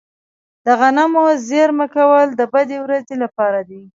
د غنمو زیرمه کول د بدې ورځې لپاره دي.